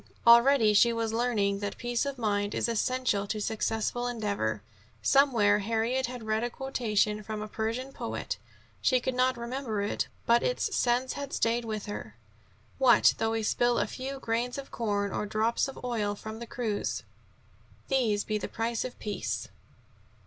Already she was learning that peace of mind is essential to successful endeavor. Somewhere Harriet had read a quotation from a Persian poet; she could not remember it, but its sense had stayed with her: "What though we spill a few grains of corn, or drops of oil from the cruse? These be the price of peace."